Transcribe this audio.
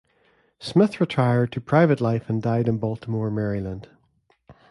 Smith retired to private life and died in Baltimore, Maryland.